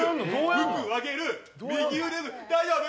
服上げる、右腕大丈夫？